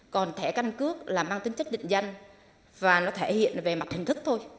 còn thẻ căn cước là mang tính chất định danh và nó thể hiện về mặt hình thức thôi